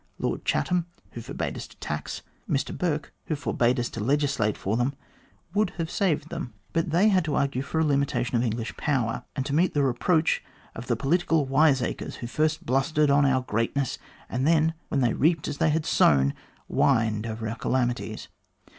Lord Chatham, who forbade us to tax, Mr Burke who forbade us to legislate for them, would have saved them. But 252 THE GLADSTONE COLONY they had to argue for a limitation of English power, and to meet the reproach of the political wise acres who first blustered on our greatness, and then, when they reaped as they had sown, whined over our calamities.